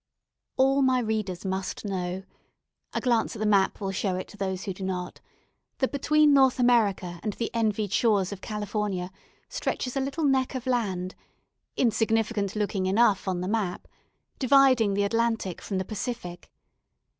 All my readers must know a glance at the map will show it to those who do not that between North America and the envied shores of California stretches a little neck of land, insignificant looking enough on the map, dividing the Atlantic from the Pacific.